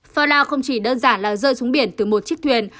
flow không chỉ đơn giản là rơi xuống biển từ một chiếc thuyền